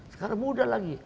sekarang muda lagi